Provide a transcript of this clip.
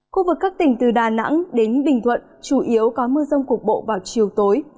khu vực các tỉnh từ đà nẵng đến bình thuận chủ yếu có mưa rông cục bộ vào chiều tối